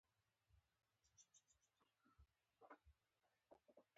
د کتاب پيل کې هم په طبقه باندې خبرې شوي دي